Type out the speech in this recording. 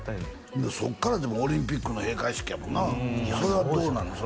そっからでもオリンピックの閉会式やもんなそれはどうなの？